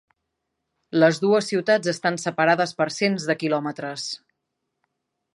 Les dues ciutats estan separades per cents de quilòmetres.